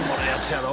やろ